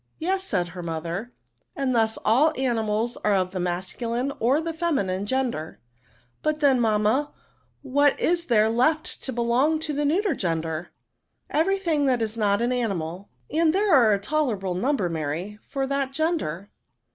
Yes/* said her mother ;" and thus all animals are of the masculine or the feminine gender." '^ But^ then^ mamma^ what is there left to belong to the neuter gender?" *^ Every thing that is not an animal ; and there are a tolerable number^ Mary, for that gender."